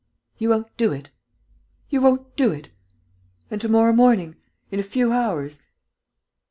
"You won't do it?... You won't do it?... And, to morrow morning ... in a few hours